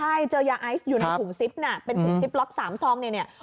ใช่เจอยาไอซ์อยู่ในถุงซิปน่ะเป็นถุงซิปล็อก๓ซองเนี่ยเนี่ย